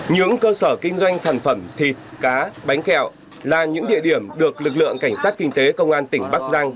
những cơ sở kinh doanh sản phẩm thịt cá bánh kẹo là những địa điểm được lực lượng cảnh sát kinh tế công an tỉnh bắc giang